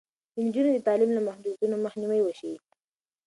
د نجونو د تعلیم له محدودیتونو مخنیوی وشي.